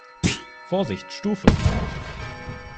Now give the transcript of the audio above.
Vorsicht Stufe!